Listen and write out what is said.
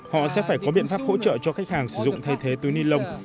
họ sẽ phải có biện pháp hỗ trợ cho khách hàng sử dụng thay thế túi ni lông